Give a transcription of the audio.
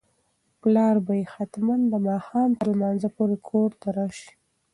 پلار به یې حتماً د ماښام تر لمانځه پورې کور ته راشي.